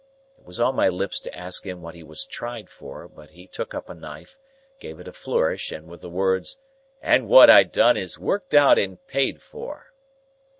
It was on my lips to ask him what he was tried for, but he took up a knife, gave it a flourish, and with the words, "And what I done is worked out and paid for!"